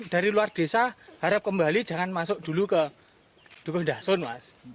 dari luar desa harap kembali jangan masuk dulu ke dukuh dasun mas